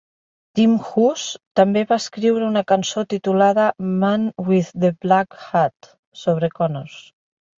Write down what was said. Tim Hus també va escriure una cançó titulada "Man With The Black Hat" sobre Connors.